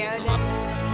sampai jumpa lagi